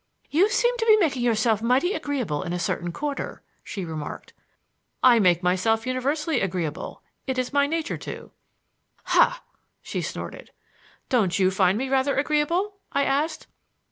"You seem to be making yourself mighty agreeable in a certain quarter," she remarked. "I make myself universally agreeable. It is my nature to." "Ha!" she snorted. "Don't you find me rather agreeable?" I asked.